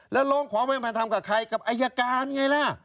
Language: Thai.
แล้วร้องขอความเป็นธรรมกับใครกับอายการไงล่ะ